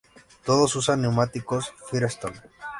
Todos usan Neumáticos Firestone.